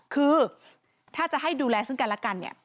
คือถ้าจะให้ดูแลซึ่งกันและกันเนี่ย